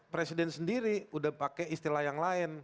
presiden sendiri udah pakai istilah yang lain